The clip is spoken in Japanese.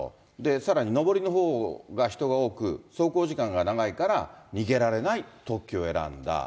さらに上りのほうが人が多く、走行時間が長いから逃げられない特急を選んだ。